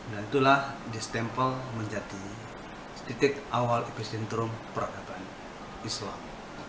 dan itulah distempel menjadi titik awal epididintrum perangkatan islam